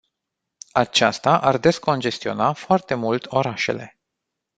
Aceasta ar descongestiona foarte mult orașele.